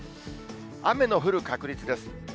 雨の降る確率です。